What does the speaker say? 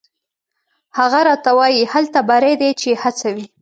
هغه راته وایي: «هلته بری دی چې هڅه وي».